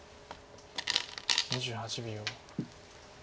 ２８秒。